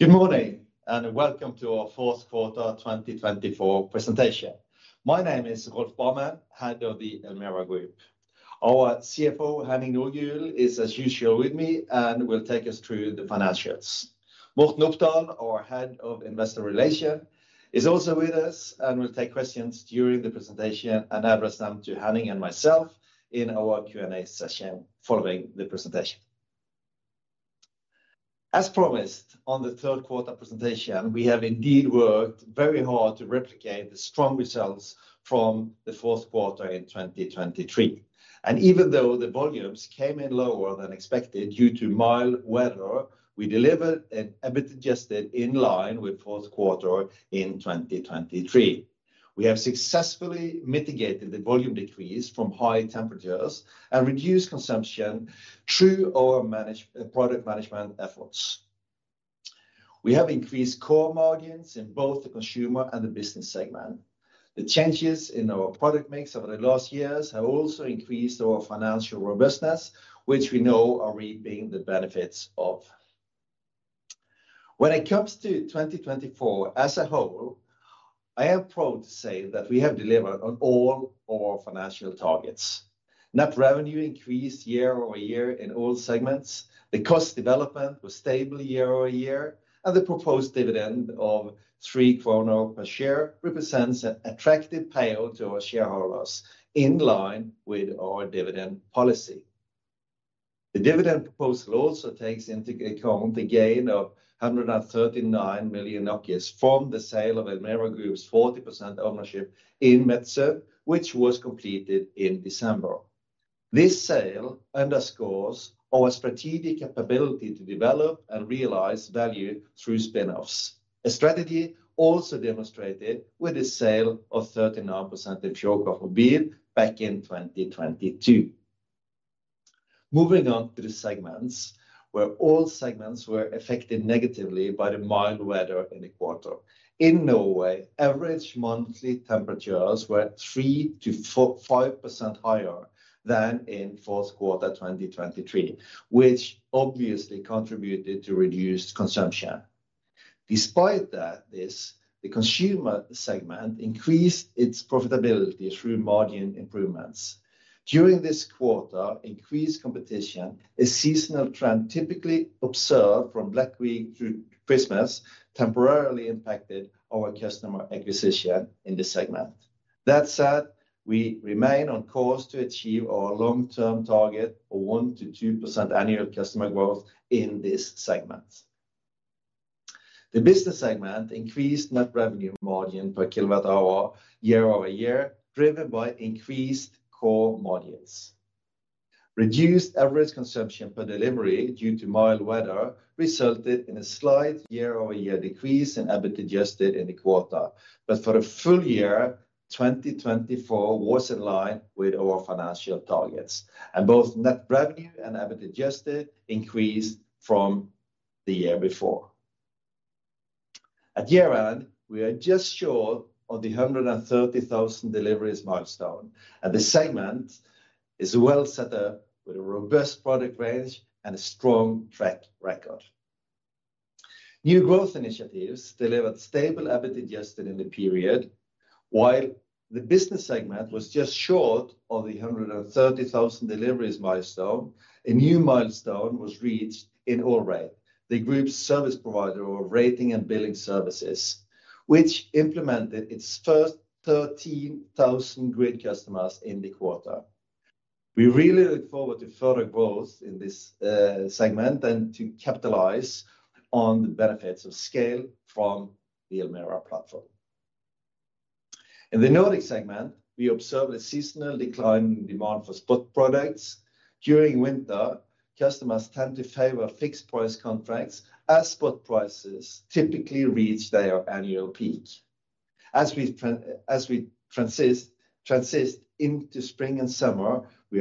Good morning and welcome to our Fourth Quarter 2024 presentation. My name is Rolf Barmen, Head of the Elmera Group. Our CFO, Henning Nordgulen, is, as usual, with me and will take us through the financials. Morten Opdal, our Head of Investor Relations, is also with us and will take questions during the presentation and address them to Henning and myself in our Q&A session following the presentation. As promised on the third quarter presentation, we have indeed worked very hard to replicate the strong results from the fourth quarter in 2023. And even though the volumes came in lower than expected due to mild weather, we delivered and adjusted in line with the fourth quarter in 2023. We have successfully mitigated the volume decrease from high temperatures and reduced consumption through our product management efforts. We have increased core margins in both the Consumer and the Business segment. The changes in our product mix over the last years have also increased our financial robustness, which we know are reaping the benefits of. When it comes to 2024 as a whole, I am proud to say that we have delivered on all our financial targets. Net revenue increased year-over-year in all segments. The cost development was stable year-over-year, and the proposed dividend of 3 kroner per share represents an attractive payout to our shareholders in line with our dividend policy. The dividend proposal also takes into account the gain of 139 million from the sale of Elmera Group's 40% ownership in Metzum, which was completed in December. This sale underscores our strategic capability to develop and realize value through spin-offs, a strategy also demonstrated with the sale of 39% of Fjordkraft Mobil back in 2022. Moving on to the segments, where all segments were affected negatively by the mild weather in the quarter. In Norway, average monthly temperatures were 3-5 degrees higher than in the fourth quarter 2023, which obviously contributed to reduced consumption. Despite this, the Consumer segment increased its profitability through margin improvements. During this quarter, increased competition, a seasonal trend typically observed from Black Week through Christmas, temporarily impacted our customer acquisition in the segment. That said, we remain on course to achieve our long-term target of 1%-2% annual customer growth in this segment. The Business segment increased net revenue margin per kWh year-over-year, driven by increased core margins. Reduced average consumption per delivery due to mild weather resulted in a slight year-over-year decrease in EBIT adjusted in the quarter, but for the full year, 2024 was in line with our financial targets, and both net revenue and EBIT adjusted increased from the year before. At year-end, we are just short of the 130,000 deliveries milestone, and the segment is well set up with a robust product range and a strong track record. New growth initiatives delivered stable EBIT adjusted in the period. While the Business segment was just short of the 130,000 deliveries milestone, a new milestone was reached in Allrate, the group's service provider of rating and billing services, which implemented its first 13,000 grid customers in the quarter. We really look forward to further growth in this segment and to capitalize on the benefits of scale from the Elmera platform. In the Nordic segment, we observed a seasonal decline in demand for spot products. During winter, customers tend to favor fixed price contracts as spot prices typically reach their annual peak. As we transition into spring and summer, we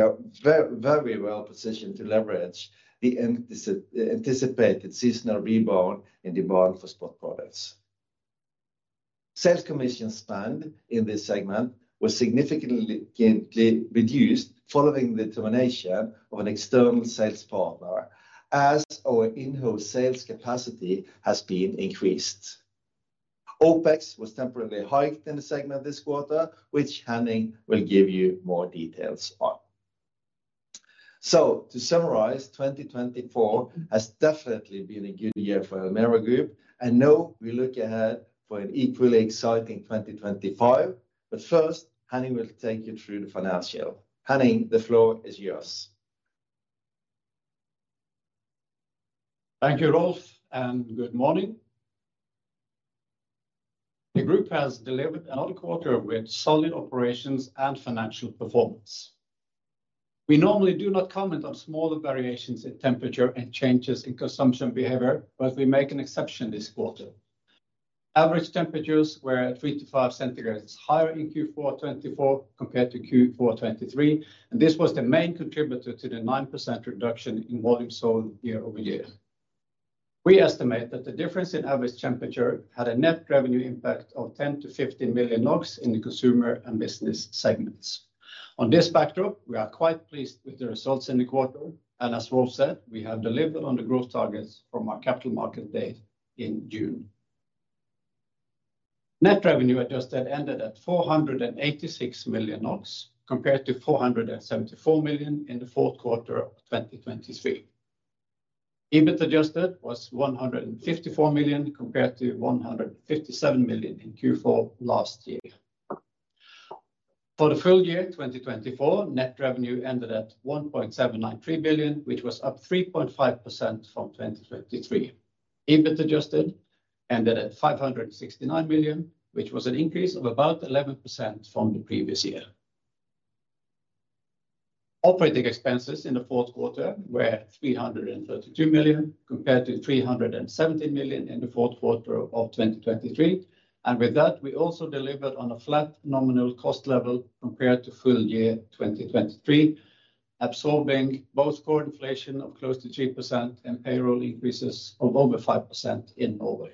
are very well positioned to leverage the anticipated seasonal rebound in demand for spot products. Sales commission spend in this segment was significantly reduced following the termination of an external sales partner, as our in-house sales capacity has been increased. OpEx was temporarily hiked in the segment this quarter, which Henning will give you more details on. So, to summarize, 2024 has definitely been a good year for Elmera Group, and now we look ahead for an equally exciting 2025. But first, Henning will take you through the financial. Henning, the floor is yours. Thank you, Rolf, and good morning. The group has delivered another quarter with solid operations and financial performance. We normally do not comment on smaller variations in temperature and changes in consumption behavior, but we make an exception this quarter. Average temperatures were 3-5 degrees Centigrade higher in Q4 2024 compared to Q4 2023, and this was the main contributor to the 9% reduction in volume sold year-over-year. We estimate that the difference in average temperature had a net revenue impact of 10-15 million NOK in the Consumer and business segments. On this backdrop, we are quite pleased with the results in the quarter, and as Rolf said, we have delivered on the growth targets from our Capital Markets Day in June. Net revenue adjusted ended at 486 million compared to 474 million in the fourth quarter of 2023. EBIT adjusted was 154 million compared to 157 million in Q4 last year. For the full year 2024, net revenue ended at 1.793 billion, which was up 3.5% from 2023. EBIT adjusted ended at 569 million, which was an increase of about 11% from the previous year. Operating expenses in the fourth quarter were 332 million compared to 317 million in the fourth quarter of 2023, and with that, we also delivered on a flat nominal cost level compared to full year 2023, absorbing both core inflation of close to 3% and payroll increases of over 5% in Norway.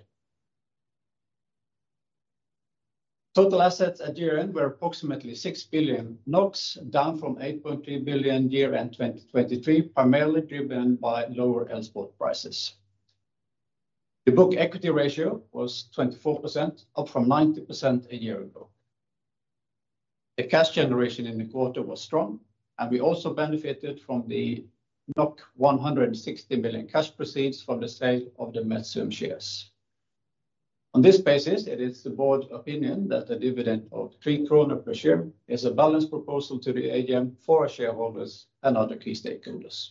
Total assets at year-end were approximately 6 billion NOK, down from 8.3 billion year-end 2023, primarily driven by lower export prices. The book equity ratio was 24%, up from 90% a year ago. The cash generation in the quarter was strong, and we also benefited from the 160 million cash proceeds from the sale of the Metzum shares. On this basis, it is the board's opinion that a dividend of 3 krone per share is a balanced proposal to the AGM for our shareholders and other key stakeholders.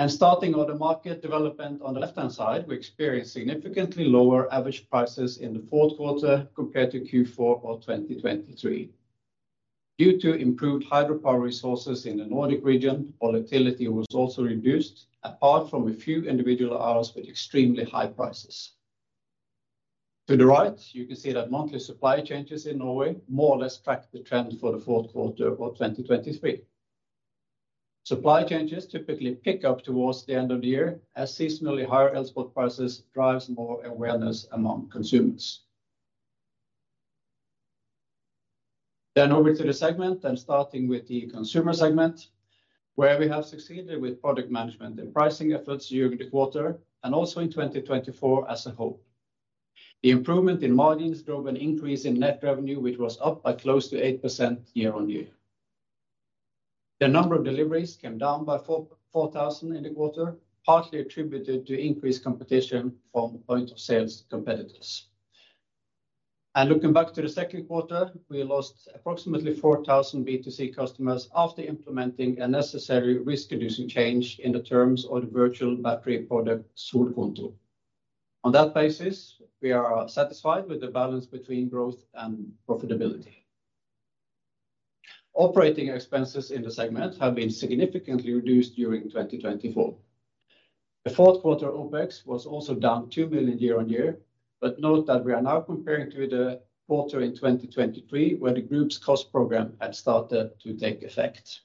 And starting on the market development on the left-hand side, we experienced significantly lower average prices in the fourth quarter compared to Q4 of 2023. Due to improved hydropower resources in the Nordic region, volatility was also reduced, apart from a few individual hours with extremely high prices. To the right, you can see that monthly supply changes in Norway more or less tracked the trend for the fourth quarter of 2023. Supply changes typically pick up towards the end of the year, as seasonally higher export prices drive more awareness among consumers. Then over to the segment, and starting with the Consumer segment, where we have succeeded with product management and pricing efforts during the quarter and also in 2024 as a whole. The improvement in margins drove an increase in net revenue, which was up by close to 8% year-on-year. The number of deliveries came down by 4,000 in the quarter, partly attributed to increased competition from point-of-sale competitors. And looking back to the second quarter, we lost approximately 4,000 B2C customers after implementing a necessary risk-reducing change in the terms of the virtual battery product Solkonto. On that basis, we are satisfied with the balance between growth and profitability. Operating expenses in the segment have been significantly reduced during 2024. The fourth quarter OpEx was also down 2 million year-on-year, but note that we are now comparing to the quarter in 2023, where the group's cost program had started to take effect.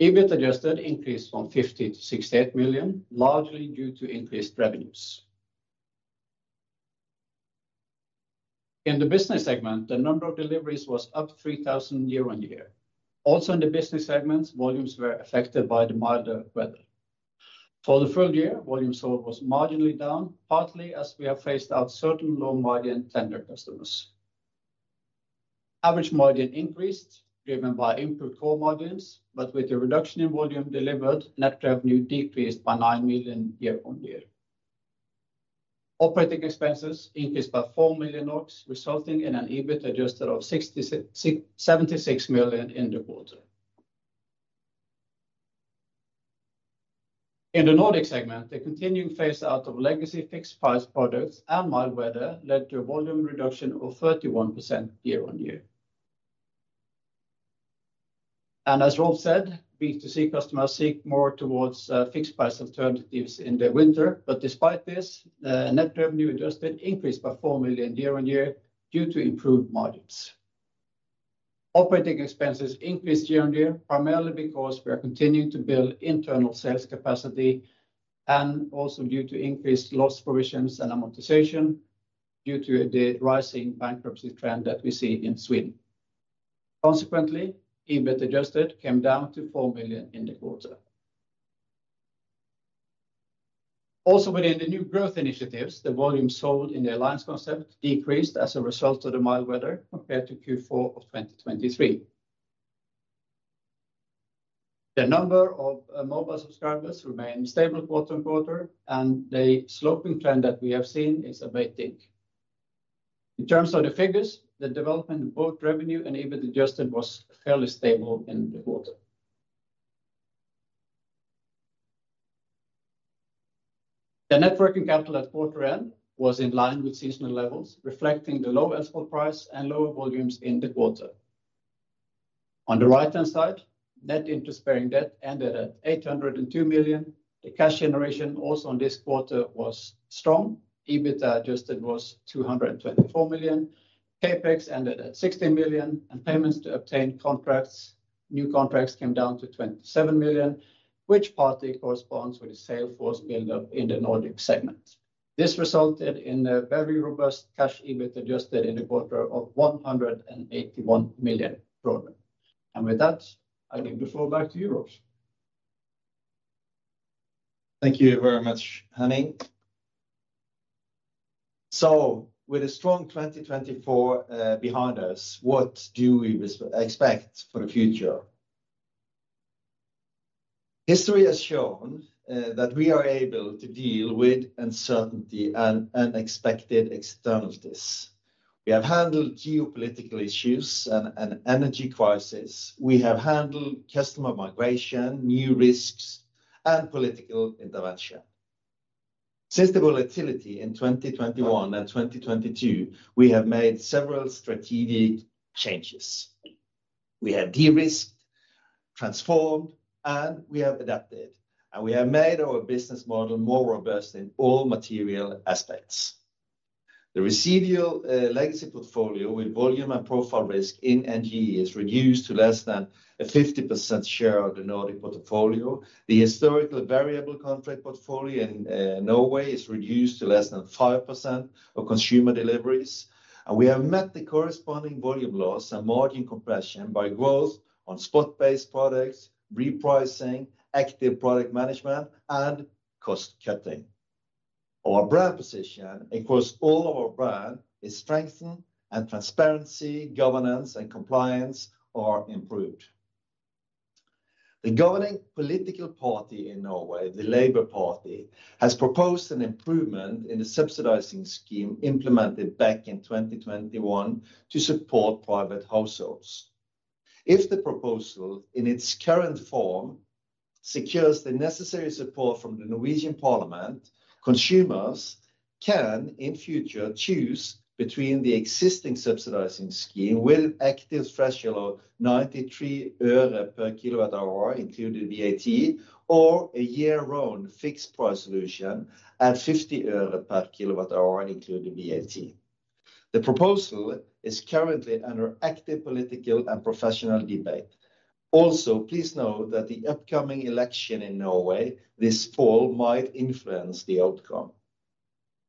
EBIT adjusted increased from 50 million-68 million, largely due to increased revenues. In the business segment, the number of deliveries was up 3,000 year-on-year. Also, in the Business segments, volumes were affected by the milder weather. For the full year, volume sold was marginally down, partly as we have phased out certain low-margin tender customers. Average margin increased, driven by improved core margins, but with the reduction in volume delivered, net revenue decreased by 9 million year-on-year. Operating expenses increased by 4 million, resulting in an EBIT adjusted of 76 million in the quarter. In the Nordic segment, the continuing phase-out of legacy fixed price products and mild weather led to a volume reduction of 31% year-on-year. And as Rolf said, B2C customers seek more towards fixed price alternatives in the winter, but despite this, net revenue adjusted increased by 4 million year-on-year due to improved margins. Operating expenses increased year-on-year, primarily because we are continuing to build internal sales capacity and also due to increased loss provisions and amortization due to the rising bankruptcy trend that we see in Sweden. Consequently, EBIT adjusted came down to 4 million in the quarter. Also, within the new growth initiatives, the volume sold in the Alliance concept decreased as a result of the mild weather compared to Q4 of 2023. The number of mobile subscribers remained stable quarter-on-quarter, and the slowing trend that we have seen is a bit abating. In terms of the figures, the development of both revenue and EBIT adjusted was fairly stable in the quarter. The net working capital at quarter-end was in line with seasonal levels, reflecting the low spot price and lower volumes in the quarter. On the right-hand side, net interest-bearing debt ended at 802 million. The cash generation also in this quarter was strong. EBIT adjusted was 224 million. CapEx ended at 16 million, and payments to obtain new contracts came down to 27 million, which partly corresponds with the sales force build-up in the Nordic segment. This resulted in a very robust cash EBIT adjusted in the quarter of 181 million kroner or thereby. With that, I will give the floor back to you, Rolf. Thank you very much, Henning. So, with a strong 2024 behind us, what do we expect for the future? History has shown that we are able to deal with uncertainty and unexpected externalities. We have handled geopolitical issues and an energy crisis. We have handled customer migration, new risks, and political intervention. Since the volatility in 2021 and 2022, we have made several strategic changes. We have de-risked, transformed, and we have adapted, and we have made our business model more robust in all material aspects. The residual legacy portfolio with volume and profile risk in NGE is reduced to less than a 50% share of the Nordic portfolio. The historical variable contract portfolio in Norway is reduced to less than 5% of consumer deliveries, and we have met the corresponding volume loss and margin compression by growth on spot-based products, repricing, active product management, and cost-cutting. Our brand position, across all of our brand, is strengthened, and transparency, governance, and compliance are improved. The governing political party in Norway, the Labour Party, has proposed an improvement in the subsidizing scheme implemented back in 2021 to support private households. If the proposal, in its current form, secures the necessary support from the Norwegian Parliament, consumers can, in future, choose between the existing subsidizing scheme with an active threshold of 93 per kWh, included VAT, or a year-round fixed price solution at NOK 50 per kWh, included VAT. The proposal is currently under active political and professional debate. Also, please note that the upcoming election in Norway this fall might influence the outcome.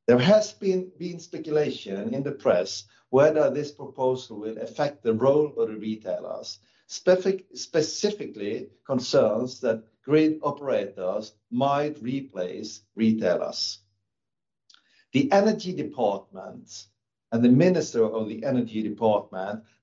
There has been speculation in the press whether this proposal will affect the role of the retailers, specifically concerns that grid operators might replace retailers. The Ministry of Energy and the Minister of Energy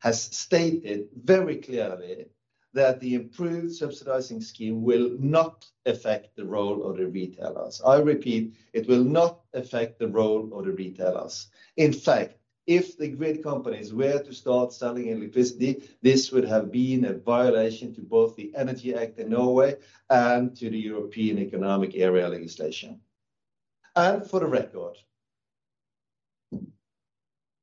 have stated very clearly that the improved subsidizing scheme will not affect the role of the retailers. I repeat, it will not affect the role of the retailers. In fact, if the grid companies were to start selling electricity, this would have been a violation to both the Energy Act in Norway and to the European Economic Area legislation. And for the record,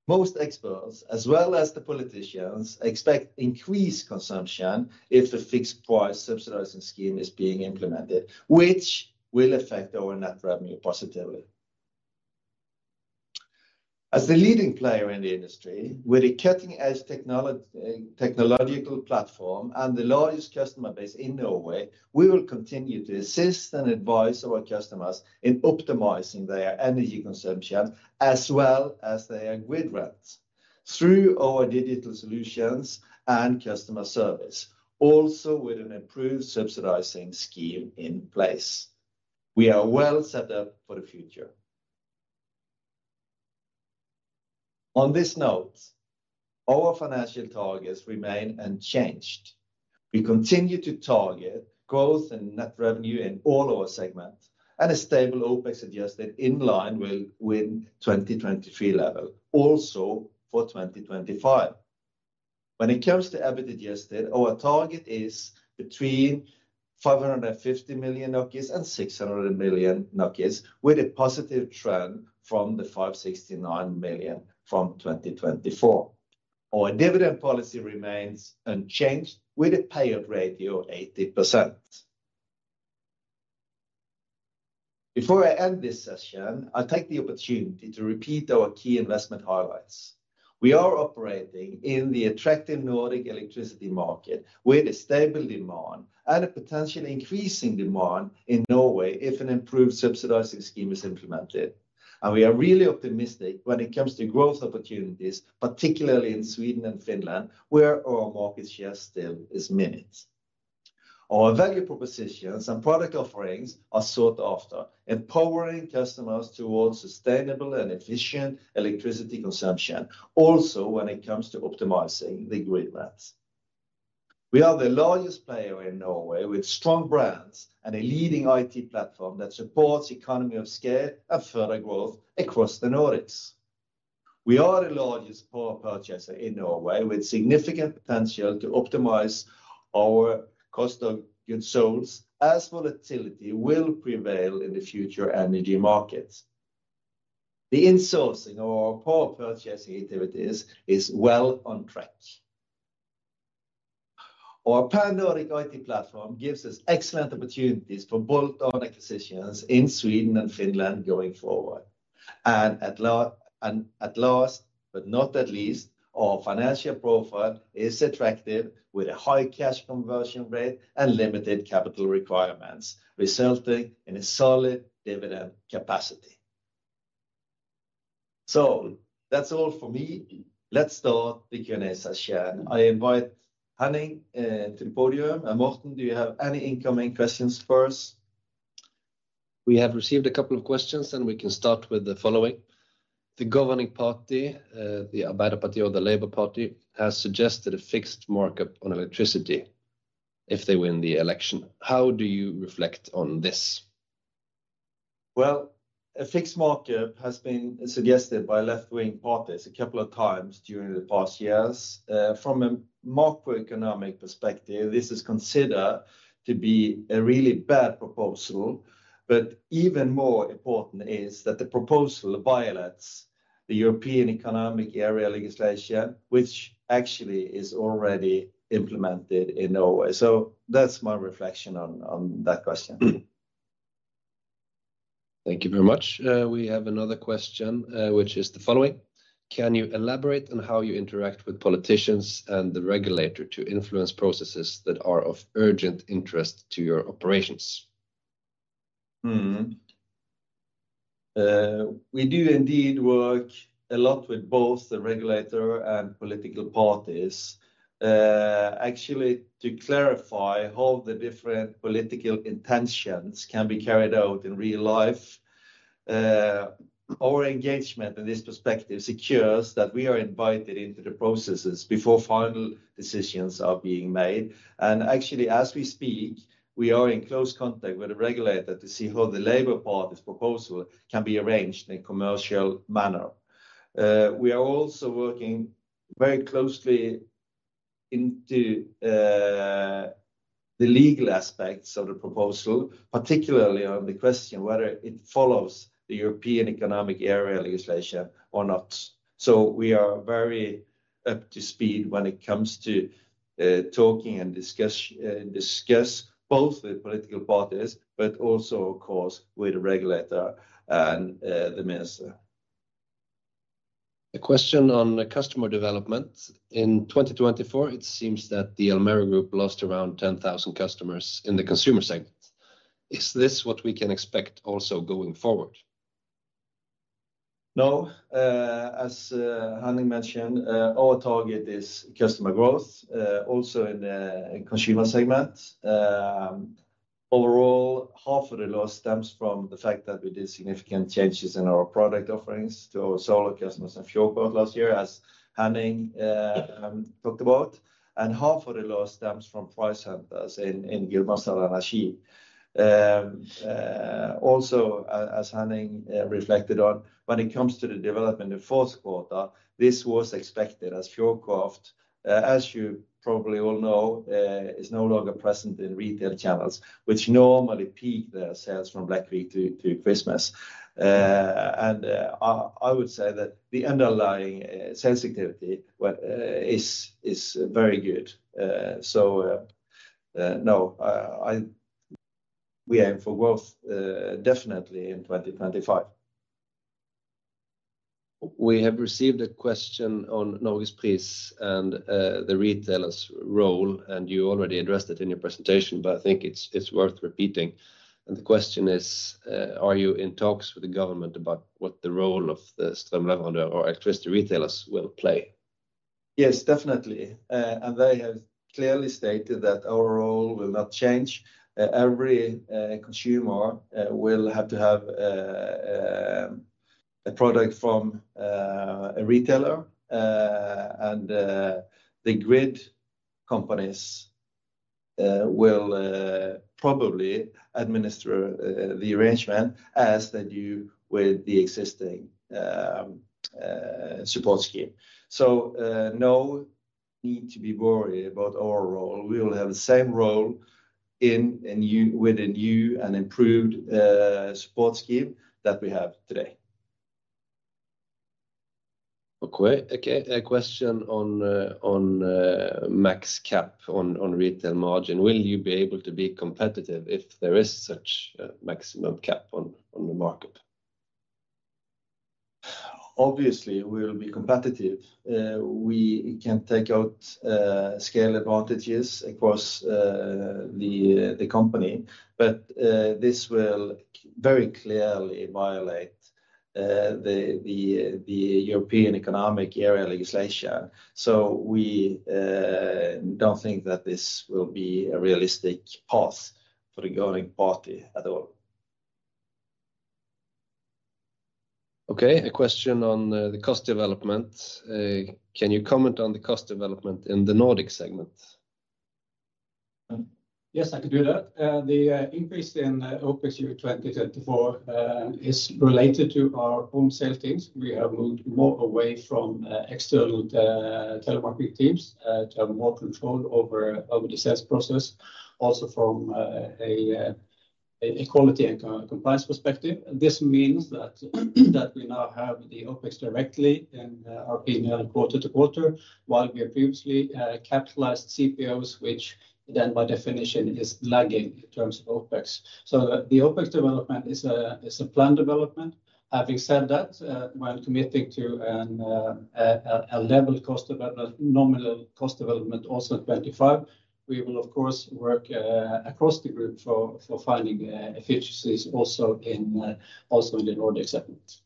most experts, as well as the politicians, expect increased consumption if the fixed price subsidizing scheme is being implemented, which will affect our net revenue positively. As the leading player in the industry, with a cutting-edge technological platform and the largest customer base in Norway, we will continue to assist and advise our customers in optimizing their energy consumption as well as their grid rents through our digital solutions and customer service, also with an improved subsidizing scheme in place. We are well set up for the future. On this note, our financial targets remain unchanged. We continue to target growth and net revenue in all our segments, and a stable OpEx adjusted in line with the 2023 level, also for 2025. When it comes to EBIT adjusted, our target is between 550 million and 600 million, with a positive trend from the 569 million from 2024. Our dividend policy remains unchanged, with a payout ratio of 80%. Before I end this session, I'll take the opportunity to repeat our key investment highlights. We are operating in the attractive Nordic electricity market, with a stable demand and a potentially increasing demand in Norway if an improved subsidizing scheme is implemented. We are really optimistic when it comes to growth opportunities, particularly in Sweden and Finland, where our market share still is minute. Our value propositions and product offerings are sought after, empowering customers towards sustainable and efficient electricity consumption, also when it comes to optimizing the grid rents. We are the largest player in Norway, with strong brands and a leading IT platform that supports the economy of scale and further growth across the Nordics. We are the largest power purchaser in Norway, with significant potential to optimize our cost of goods sold as volatility will prevail in the future energy markets. The insourcing of our power purchasing activities is well on track. Our Pan-Nordic IT platform gives us excellent opportunities for bolt-on acquisitions in Sweden and Finland going forward, and at last, but not the least, our financial profile is attractive with a high cash conversion rate and limited capital requirements, resulting in a solid dividend capacity, so that's all for me. Let's start the Q&A session. I invite Henning to the podium, and Morten, do you have any incoming questions first? We have received a couple of questions, and we can start with the following. The governing party, the Arbeiderpartiet or the Labour Party, has suggested a fixed markup on electricity if they win the election. How do you reflect on this? A fixed markup has been suggested by left-wing parties a couple of times during the past years. From a macroeconomic perspective, this is considered to be a really bad proposal. Even more important is that the proposal violates the European Economic Area legislation, which actually is already implemented in Norway. That's my reflection on that question. Thank you very much. We have another question, which is the following. Can you elaborate on how you interact with politicians and the regulator to influence processes that are of urgent interest to your operations? We do indeed work a lot with both the regulator and political parties. Actually, to clarify how the different political intentions can be carried out in real life, our engagement in this perspective secures that we are invited into the processes before final decisions are being made. And actually, as we speak, we are in close contact with the regulator to see how the Labour Party's proposal can be arranged in a commercial manner. We are also working very closely into the legal aspects of the proposal, particularly on the question whether it follows the European Economic Area legislation or not. So, we are very up to speed when it comes to talking and discussing both the political parties, but also, of course, with the regulator and the minister. A question on customer development. In 2024, it seems that the Elmera Group lost around 10,000 customers in the consumer segment. Is this what we can expect also going forward? No. As Henning mentioned, our target is customer growth, also in the consumer segment. Overall, half of the loss stems from the fact that we did significant changes in our product offerings to our solar customers and Fjordkraft last year, as Henning talked about. And half of the loss stems from price hunters in Gudbrandsdal Energi. Also, as Henning reflected on, when it comes to the development of the fourth quarter, this was expected as Fjordkraft, as you probably all know, is no longer present in retail channels, which normally peak their sales from Black Week to Christmas. And I would say that the underlying sales activity is very good. So, no, we aim for growth definitely in 2025. We have received a question on Norgespris and the retailer's role, and you already addressed it in your presentation, but I think it's worth repeating, and the question is, are you in talks with the government about what the role of the strømleverandør or electricity retailers will play? Yes, definitely, and they have clearly stated that our role will not change. Every consumer will have to have a product from a retailer, and the grid companies will probably administer the arrangement as they do with the existing support scheme, so no need to be worried about our role. We will have the same role with a new and improved support scheme that we have today. A question on max cap on retail margin. Will you be able to be competitive if there is such a maximum cap on the market? Obviously, we will be competitive. We can take out scale advantages across the company, but this will very clearly violate the European Economic Area legislation. So, we don't think that this will be a realistic path for the governing party at all. Okay. A question on the cost development. Can you comment on the cost development in the Nordic segment? Yes, I could do that. The increase in OpEx year 2024 is related to our home sale teams. We have moved more away from external telemarketing teams to have more control over the sales process, also from a quality and compliance perspective. This means that we now have the OpEx directly in our P&L quarter to quarter, while we have previously capitalized CPOs, which then by definition is lagging in terms of OpEx. So, the OpEx development is a planned development. Having said that, when committing to a level cost development, nominal cost development, also in 2025, we will, of course, work across the group for finding efficiencies also in the Nordic segment.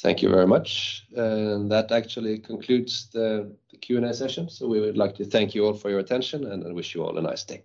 Thank you very much. That actually concludes the Q&A session. So, we would like to thank you all for your attention and wish you all a nice day.